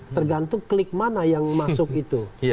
tergantung klik mana yang masuk itu